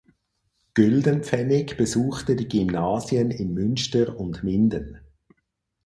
Güldenpfennig besuchte die Gymnasien in Münster und Minden.